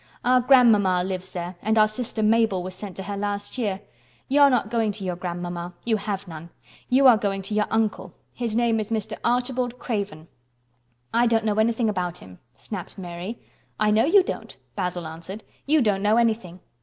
Our grandmama lives there and our sister Mabel was sent to her last year. You are not going to your grandmama. You have none. You are going to your uncle. His name is Mr. Archibald Craven." "I don't know anything about him," snapped Mary. "I know you don't," Basil answered. "You don't know anything.